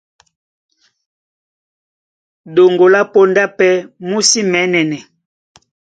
Ɗoŋgo lá póndá pɛ́ mú sí mɛ̌nɛnɛ.